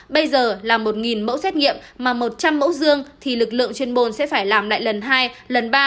bây giờ là một mẫu xét nghiệm mà một trăm linh mẫu dương thì lực lượng chuyên môn sẽ phải làm lại lần hai lần ba